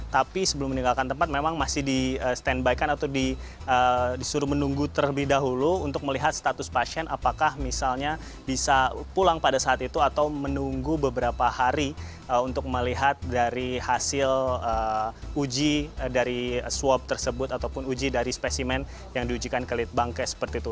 tapi sebelum meninggalkan tempat memang masih di stand by kan atau disuruh menunggu terlebih dahulu untuk melihat status pasien apakah misalnya bisa pulang pada saat itu atau menunggu beberapa hari untuk melihat dari hasil uji dari swab tersebut ataupun uji dari spesimen yang diujikan kelitbangke seperti itu